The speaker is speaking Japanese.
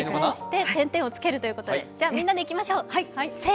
てんてんをつけるということで、みんなでいきましょう。